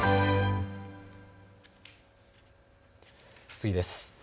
次です。